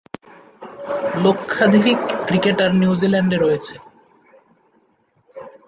লক্ষাধিক ক্রিকেটার নিউজিল্যান্ডে রয়েছে।